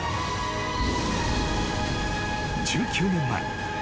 ［１９年前。